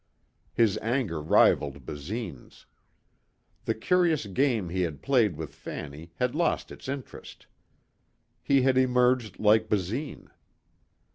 His anger rivalled Basine's. The curious game he had played with Fanny had lost its interest. He had emerged like Basine.